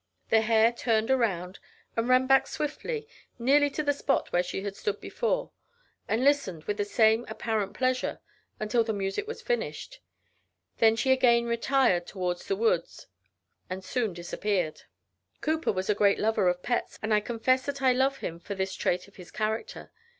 The hare turned around, and ran back swiftly, nearly to the spot where she stood before, and listened with the same apparent pleasure, until the music was finished, when she again retired toward the woods, and soon disappeared. Cowper was a great lover of pets; and I confess that I love him for this trait in his character.